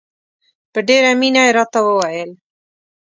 په ډېره مینه یې راته وویل.